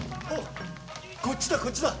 こっちだこっちだ。